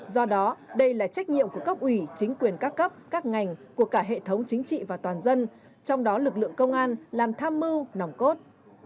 do đó đây là trách nhiệm của cấp ủy chính quyền các cấp các ngành của cả hệ thống chính trị và toàn dân trong đó lực lượng công an làm tham mưu nòng cốt